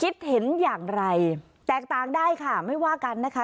คิดเห็นอย่างไรแตกต่างได้ค่ะไม่ว่ากันนะคะ